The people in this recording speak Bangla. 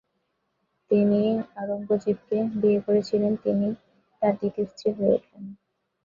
তিনি আওরঙ্গজেবকে বিয়ে করেছিলেন তিনি তার দ্বিতীয় স্ত্রী হয়ে উঠেন।